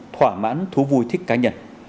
thỏa mãn thú vui thích cá nhân